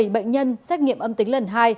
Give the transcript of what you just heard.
bảy bệnh nhân xét nghiệm âm tính lần hai